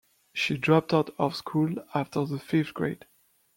She dropped out of school after the fifth grade.